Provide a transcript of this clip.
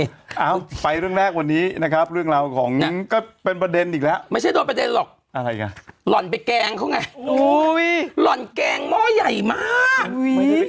เอ้าไปเรื่องแรกวันนี้นะครับเรื่องเราก็เป็นประเด็นอีกแล้ว